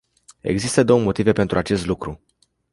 Există două motive pentru acest lucru.